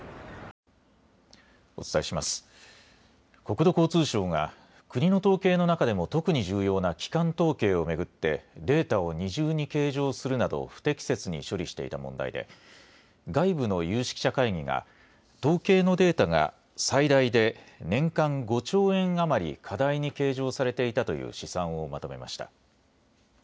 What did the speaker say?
国土交通省が国の統計の中でも特に重要な基幹統計を巡って、データを二重に計上するなど、不適切に処理していた問題で、外部の有識者会議が、統計のデータが最大で年間５兆円余り過大に計上されていたという試算をまとめました。